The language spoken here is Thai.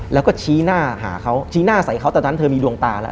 แล้วก็ชี้หน้าหาเขาชี้หน้าใส่เขาตอนนั้นเธอมีดวงตาแล้ว